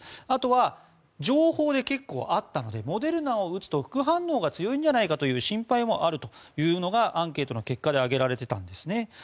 あとは情報で結構あったのでモデルナを打つと副反応が強いんじゃないかという心配があるというのがアンケートの結果で挙げられていたんですね。